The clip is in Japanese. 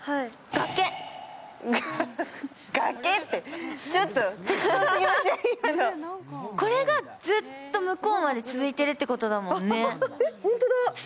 崖ってちょっとこれがずっと向こうまで続いてるってことだもんね。